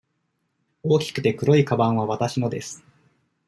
大きくて黒いかばんはわたしのです。